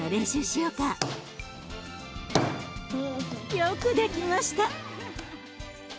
よくできました。